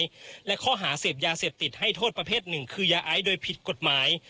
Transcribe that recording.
๓ร่วมกันมียาเสพติดให้โทษประเภท๑หรือยาไอหรือเม็ดแอมเฟตามีนไว้ในครอบครองเพื่อจำหน่ายโดยผิดกฎหมาย